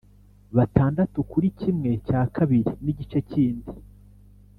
batandatu kuri kimwe cya kabiri nigice cyindi.